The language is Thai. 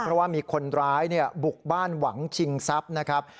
เพราะว่ามีคนร้ายเนี่ยบุกบ้านหวังจิงซับนะครับ